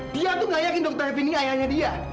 dia tuh gak yakin dokter fni ayahnya dia